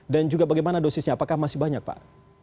dan juga bagaimana dosisnya apakah masih banyak pak